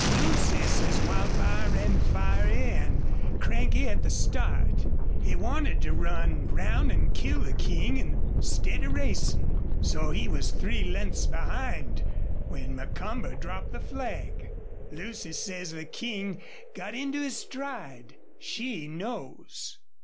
Lucy says Wildfire ran fiery an' cranky at the start. He wanted to run round an' kill the King instead of racin'. So he was three lengths behind when Macomber dropped the flag. Lucy says the King got into his stride. She knows.